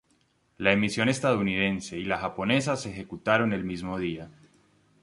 La emisión estadounidense y la japonesa se ejecutaron el mismo día.